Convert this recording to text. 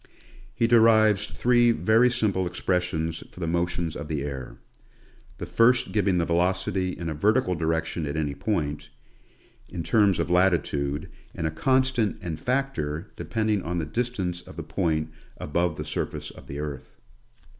He derives three very simple ex pressions for the motions of the air; the first giving the velocity in a vertical direction at any point, in terms of latitude, and a constant and factor depending on the distance of the point above the surface of the earth.